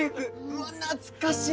うわ懐かしい！